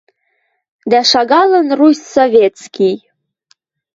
Дӓ шагалын Русь Советский